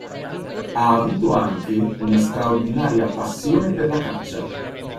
Ha avuto anche una straordinaria passione per la caccia.